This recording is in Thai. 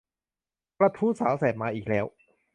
กระทู้สาวแสบมาอีกแล้ว